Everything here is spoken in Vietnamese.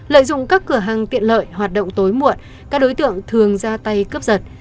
lợi dụng các cửa hàng tiện lợi hoạt động tối muộn các đối tượng thường ra tay cướp giật